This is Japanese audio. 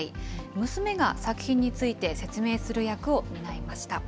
娘が作品について説明する役を担いました。